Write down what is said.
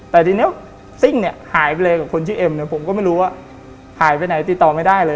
แต่ทีนี้ซิ่งเนี่ยหายไปเลยกับคนชื่อเอ็มเนี่ยผมก็ไม่รู้ว่าหายไปไหนติดต่อไม่ได้เลย